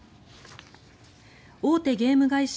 大手ゲーム会社